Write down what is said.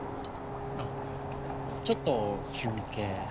あっちょっと休憩。